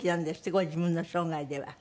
ご自分の生涯では。